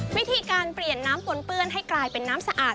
วิธีการเปลี่ยนน้ำปนเปื้อนให้กลายเป็นน้ำสะอาด